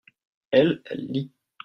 elle, elle lit.